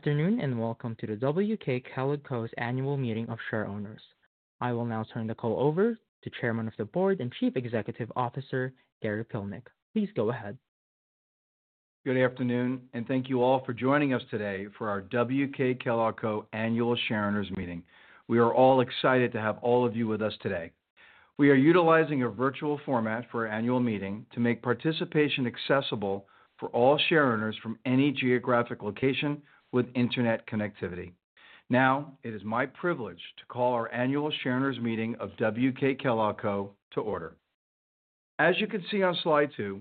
Afternoon, and welcome to the WK Kellogg Co Annual Meeting of Shareowners. I will now turn the call over to Chairman of the Board and Chief Executive Officer, Gary Pilnick. Please go ahead. Good afternoon, and thank you all for joining us today for our WK Kellogg Co Annual Shareowners Meeting. We are all excited to have all of you with us today. We are utilizing a virtual format for our annual meeting to make participation accessible for all shareholders from any geographic location with internet connectivity. Now, it is my privilege to call our annual shareowners meeting of WK Kellogg Co to order. As you can see on slide two,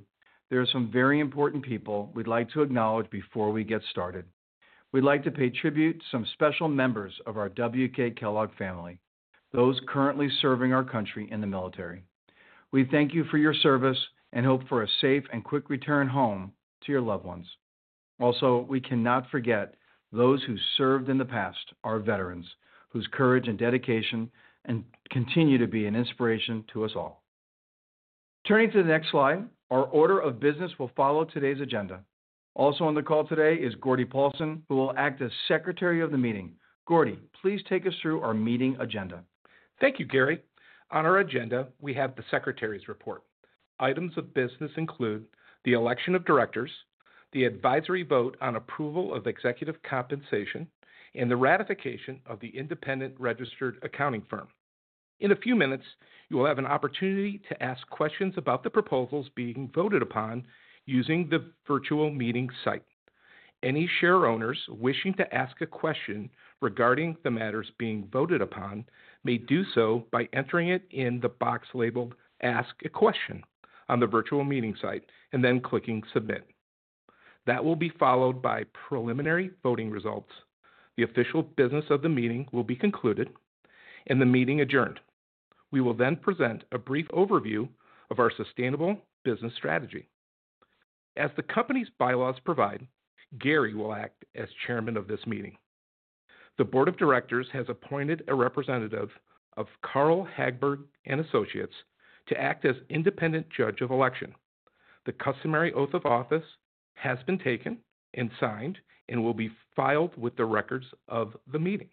there are some very important people we'd like to acknowledge before we get started. We'd like to pay tribute to some special members of our WK Kellogg family, those currently serving our country in the military. We thank you for your service and hope for a safe and quick return home to your loved ones. Also, we cannot forget those who served in the past, our veterans, whose courage and dedication continue to be an inspiration to us all. Turning to the next slide, our order of business will follow today's agenda. Also on the call today is Gordie Paulson, who will act as Secretary of the Meeting. Gordie, please take us through our meeting agenda. Thank you, Gary. On our agenda, we have the Secretary's report. Items of business include the election of directors, the advisory vote on approval of executive compensation, and the ratification of the independent registered accounting firm. In a few minutes, you will have an opportunity to ask questions about the proposals being voted upon using the virtual meeting site. Any shareowners wishing to ask a question regarding the matters being voted upon may do so by entering it in the box labeled "Ask a Question" on the virtual meeting site and then clicking "Submit." That will be followed by preliminary voting results. The official business of the meeting will be concluded, and the meeting adjourned. We will then present a brief overview of our sustainable business strategy. As the company's bylaws provide, Gary will act as Chairman of this meeting. The Board of Directors has appointed a representative of Carl Hagberg and Associates to act as independent judge of election. The customary oath of office has been taken and signed and will be filed with the records of the meeting.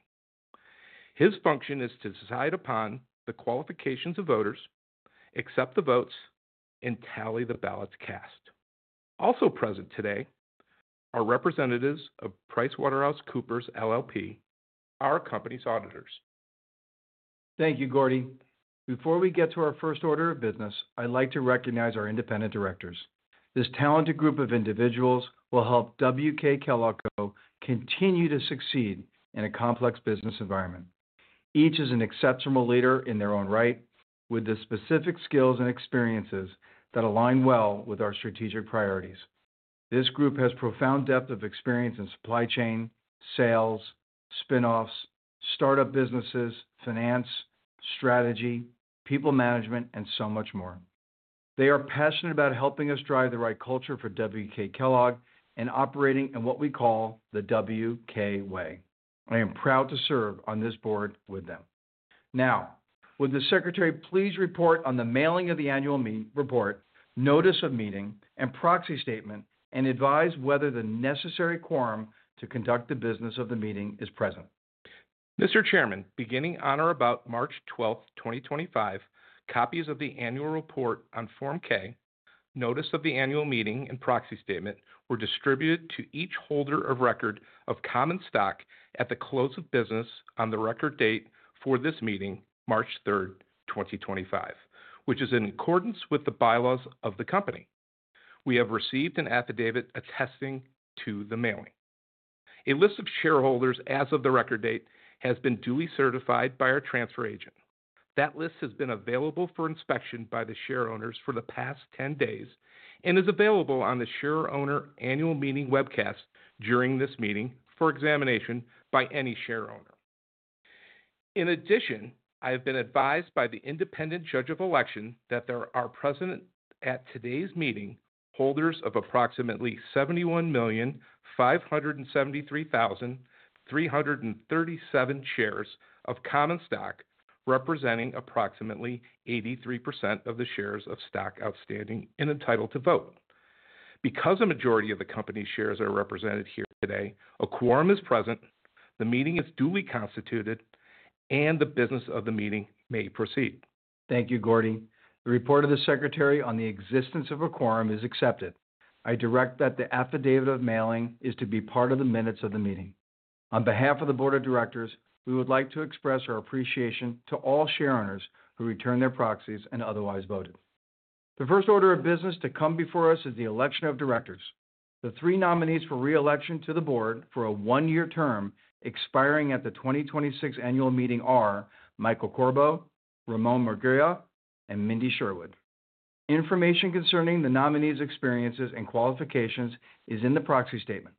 His function is to decide upon the qualifications of voters, accept the votes, and tally the ballots cast. Also present today are representatives of PricewaterhouseCoopers LLP, our company's auditors. Thank you, Gordie. Before we get to our first order of business, I'd like to recognize our independent directors. This talented group of individuals will help WK Kellogg Co continue to succeed in a complex business environment. Each is an exceptional leader in their own right, with the specific skills and experiences that align well with our strategic priorities. This group has profound depth of experience in supply chain, sales, spinoffs, startup businesses, finance, strategy, people management, and so much more. They are passionate about helping us drive the right culture for WK Kellogg and operating in what we call the WK Way. I am proud to serve on this board with them. Now, would the Secretary please report on the mailing of the annual report, notice of meeting, and proxy statement, and advise whether the necessary quorum to conduct the business of the meeting is present. Mr. Chairman, beginning on or about March 12th, 2025, copies of the annual report on Form 8-K, notice of the annual meeting, and proxy statement were distributed to each holder of record of common stock at the close of business on the record date for this meeting, March 3rd, 2025, which is in accordance with the bylaws of the company. We have received an affidavit attesting to the mailing. A list of shareholders as of the record date has been duly certified by our transfer agent. That list has been available for inspection by the shareowners for the past 10 days and is available on the Shareowner Annual Meeting Webcast during this meeting for examination by any shareowner. In addition, I have been advised by the independent judge of election that there are present at today's meeting holders of approximately 71,573,337 shares of common stock, representing approximately 83% of the shares of stock outstanding and entitled to vote. Because a majority of the company's shares are represented here today, a quorum is present, the meeting is duly constituted, and the business of the meeting may proceed. Thank you, Gordie. The report of the Secretary on the existence of a quorum is accepted. I direct that the affidavit of mailing is to be part of the minutes of the meeting. On behalf of the Board of Directors, we would like to express our appreciation to all shareowners who returned their proxies and otherwise voted. The first order of business to come before us is the election of Directors. The three nominees for reelection to the board for a one-year term expiring at the 2026 annual meeting are Michael Corbo, Ramón Murguía, and Mindy Sherwood. Information concerning the nominees' experiences and qualifications is in the proxy statement.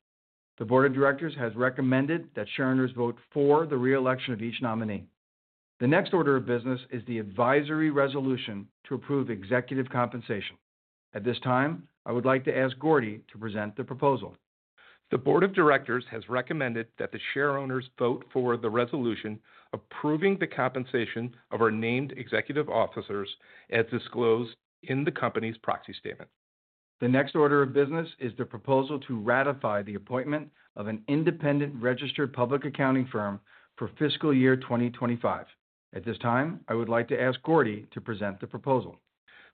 The Board of Directors has recommended that shareholders vote for the reelection of each nominee. The next order of business is the advisory resolution to approve executive compensation. At this time, I would like to ask Gordie to present the proposal. The Board of Directors has recommended that the shareholders vote for the resolution approving the compensation of our named executive officers as disclosed in the company's proxy statement. The next order of business is the proposal to ratify the appointment of an independent registered public accounting firm for fiscal year 2025. At this time, I would like to ask Gordie to present the proposal.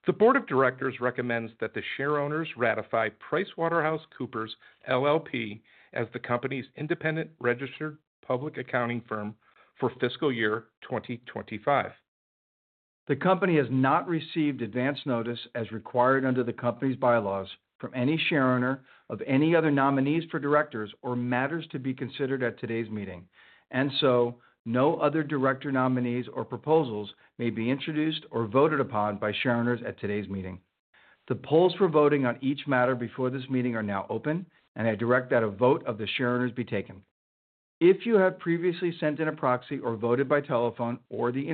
The Board of Directors recommends that the shareholders ratify PricewaterhouseCoopers LLP as the company's independent registered public accounting firm for fiscal year 2025. The company has not received advance notice, as required under the company's bylaws, from any shareowner of any other nominees for directors or matters to be considered at today's meeting, and so no other director nominees or proposals may be introduced or voted upon by shareowners at today's meeting. The polls for voting on each matter before this meeting are now open, and I direct that a vote of the shareowners be taken. If you have previously sent in a proxy or voted by telephone or the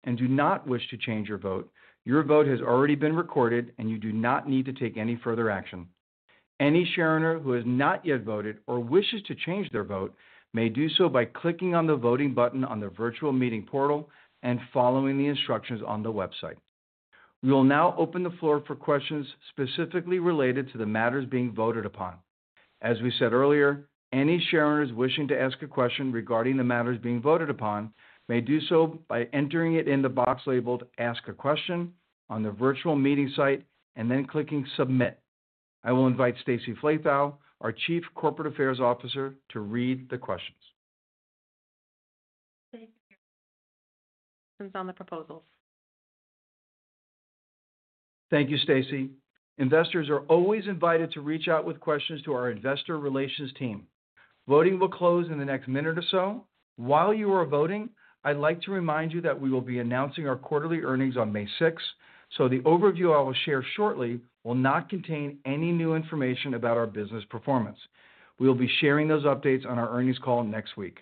internet and do not wish to change your vote, your vote has already been recorded, and you do not need to take any further action. Any shareowner who has not yet voted or wishes to change their vote may do so by clicking on the voting button on the virtual meeting portal and following the instructions on the website. We will now open the floor for questions specifically related to the matters being voted upon. As we said earlier, any shareowners wishing to ask a question regarding the matters being voted upon may do so by entering it in the box labeled "Ask a Question" on the virtual meeting site and then clicking "Submit." I will invite Stacy Flathau, our Chief Corporate Affairs Officer, to read the questions. Thank you. On the proposals. Thank you, Stacy. Investors are always invited to reach out with questions to our investor relations team. Voting will close in the next minute or so. While you are voting, I'd like to remind you that we will be announcing our quarterly earnings on May 6th, so the overview I will share shortly will not contain any new information about our business performance. We will be sharing those updates on our earnings call next week.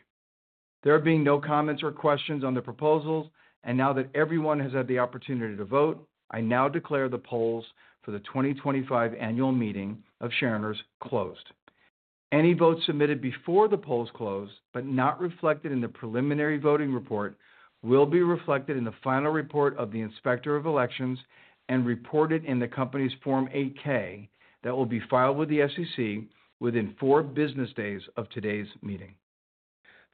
There being no comments or questions on the proposals, and now that everyone has had the opportunity to vote, I now declare the polls for the 2025 Annual Meeting of Shareowners closed. Any votes submitted before the polls close but not reflected in the preliminary voting report will be reflected in the final report of the inspector of elections and reported in the company's Form 8-K that will be filed with the SEC within four business days of today's meeting.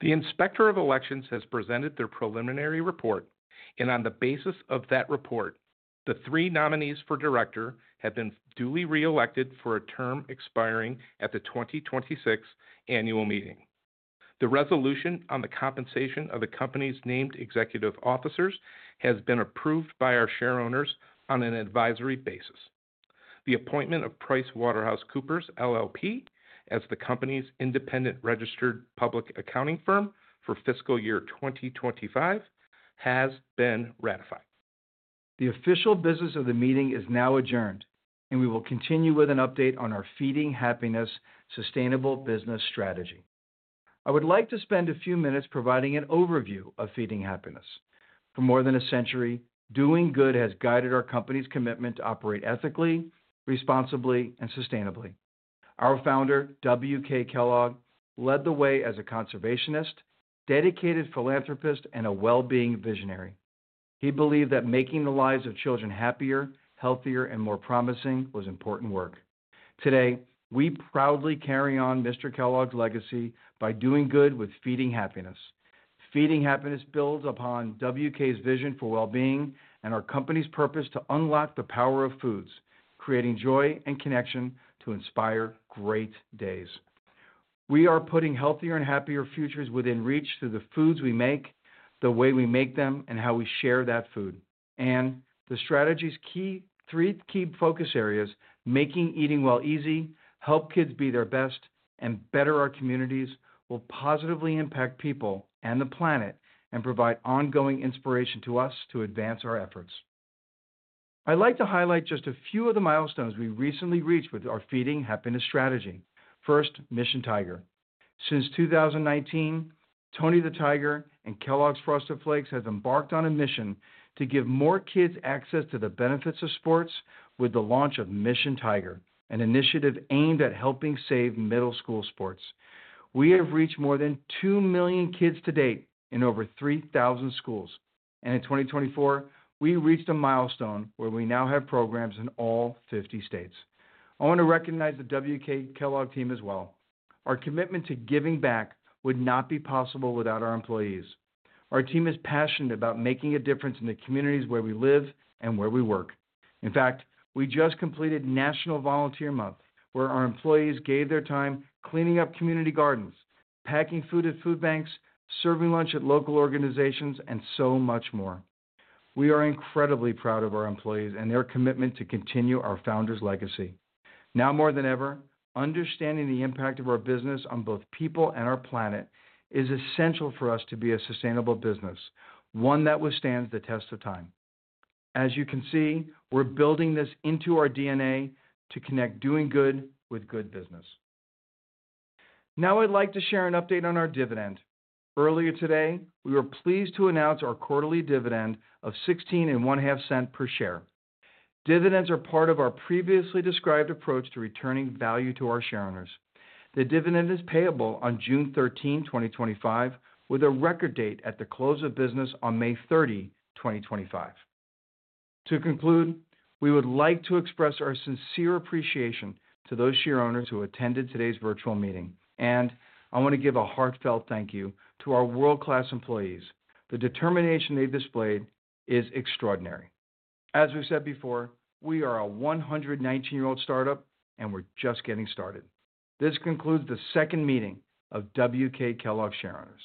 The inspector of elections has presented their preliminary report, and on the basis of that report, the three nominees for Director have been duly reelected for a term expiring at the 2026 Annual Meeting. The resolution on the compensation of the company's named executive officers has been approved by our shareholders on an advisory basis. The appointment of PricewaterhouseCoopers LLP as the company's independent registered public accounting firm for fiscal year 2025 has been ratified. The official business of the meeting is now adjourned, and we will continue with an update on our Feeding Happiness sustainable business strategy. I would like to spend a few minutes providing an overview of Feeding Happiness. For more than a century, doing good has guided our company's commitment to operate ethically, responsibly, and sustainably. Our founder, WK Kellogg, led the way as a conservationist, dedicated philanthropist, and a well-being visionary. He believed that making the lives of children happier, healthier, and more promising was important work. Today, we proudly carry on Mr. Kellogg's legacy by doing good with Feeding Happiness. Feeding Happiness builds upon WK's vision for well-being and our company's purpose to unlock the power of foods, creating joy and connection to inspire great days. We are putting healthier and happier futures within reach through the foods we make, the way we make them, and how we share that food. The strategy's three key focus areas: making eating well easy, help kids be their best, and better our communities, will positively impact people and the planet and provide ongoing inspiration to us to advance our efforts. I'd like to highlight just a few of the milestones we recently reached with our Feeding Happiness strategy. First, Mission Tiger. Since 2019, Tony the Tiger and Kellogg's Frosted Flakes have embarked on a mission to give more kids access to the benefits of sports with the launch of Mission Tiger, an initiative aimed at helping save middle school sports. We have reached more than 2 million kids to date in over 3,000 schools, and in 2024, we reached a milestone where we now have programs in all 50 states. I want to recognize the WK Kellogg team as well. Our commitment to giving back would not be possible without our employees. Our team is passionate about making a difference in the communities where we live and where we work. In fact, we just completed National Volunteer Month, where our employees gave their time cleaning up community gardens, packing food at food banks, serving lunch at local organizations, and so much more. We are incredibly proud of our employees and their commitment to continue our founders' legacy. Now more than ever, understanding the impact of our business on both people and our planet is essential for us to be a sustainable business, one that withstands the test of time. As you can see, we're building this into our DNA to connect doing good with good business. Now I'd like to share an update on our dividend. Earlier today, we were pleased to announce our quarterly dividend of $0.165 per share. Dividends are part of our previously described approach to returning value to our shareowners. The dividend is payable on June 13, 2025, with a record date at the close of business on May 30, 2025. To conclude, we would like to express our sincere appreciation to those shareowners who attended today's virtual meeting, and I want to give a heartfelt thank you to our world-class employees. The determination they displayed is extraordinary. As we've said before, we are a 119-year-old startup, and we're just getting started. This concludes the second meeting of WK Kellogg Shareowners.